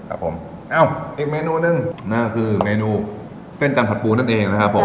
ครับผมเอ้าอีกเมนูหนึ่งนั่นก็คือเมนูเส้นจันทัดปูนั่นเองนะครับผม